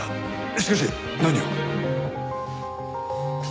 しかし何を？